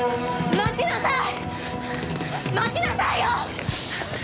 待ちなさい！